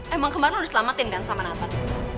emang kemarin lo udah selamatin kan sama nathan